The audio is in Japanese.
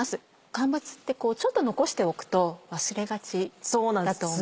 乾物ってちょっと残しておくと忘れがちだと思うんですよね。